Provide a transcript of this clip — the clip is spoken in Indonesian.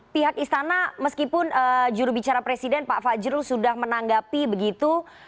pihak istana meskipun jurubicara presiden pak fajrul sudah menanggapi begitu